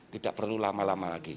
tidak perlu lama lama lagi